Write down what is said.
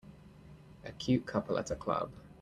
A cute couple at a club